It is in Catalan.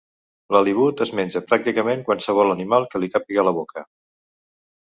L'halibut es menja pràcticament qualsevol animal que li càpiga a la boca.